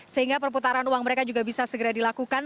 sehingga perputaran uang mereka juga bisa segera dilakukan